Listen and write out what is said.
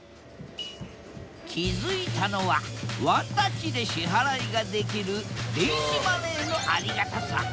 気付いたのはワンタッチで支払いができる電子マネーのありがたさ